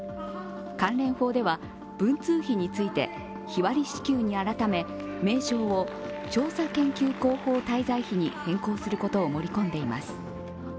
関連法では文通費について日割り支給に改め名称を、調査広報研究滞在費に変更することを盛り込んでいます。